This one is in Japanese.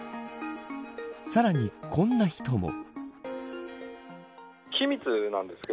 さらに、こんな人も。